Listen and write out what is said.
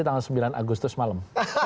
tanggal sembilan agustus malam